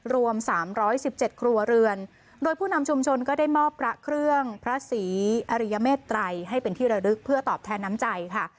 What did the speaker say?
รวม๓๑๗ครัวเรือนโดยผู้นำชุมชนก็ได้มอบพระเครื่องพระศรีอริยเมตรัยให้เป็นที่ระลึกเพื่อตอบแทนน้ำใจค่ะ